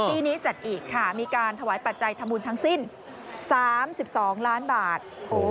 ปีนี้จัดอีกค่ะมีการถวายปัจจัยทำบุญทั้งสิ้น๓๒ล้านบาท